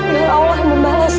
biar allah yang membalas ya